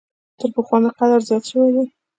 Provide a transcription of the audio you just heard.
تر پخوا مي قدر زیات شوی دی .